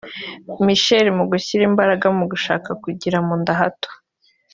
Michelle mu gushyira imbaraga mu gushaka kugira mu nda hato